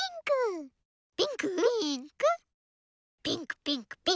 ピンク。